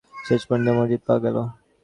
শেষ পর্যন্ত মসজিদ পাওয়া গেল।